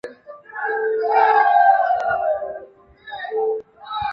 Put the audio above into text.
祖籍宁波府慈溪县慈城镇。